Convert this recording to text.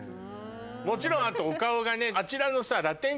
もちろんあとお顔がね。